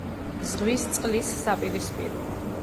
ზღვის წყლის საპირისპიროა.